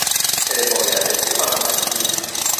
Elle est bordée à l'est par la mer Rouge.